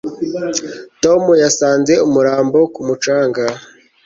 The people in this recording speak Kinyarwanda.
Tom yasanze umurambo ku mucanga